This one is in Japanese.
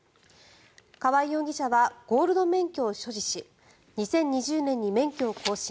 川合容疑者はゴールド免許を所持し２０２０年に免許を更新。